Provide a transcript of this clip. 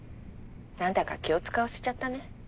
何だか気を使わせちゃったね。